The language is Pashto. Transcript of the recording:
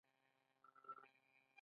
د علامه حبو اخند زاده ځوانیمرګ و.